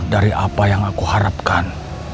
dari apa yang aku harapkan